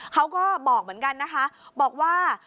เขาก็บอกเหมือนกันนะคะบอกว่า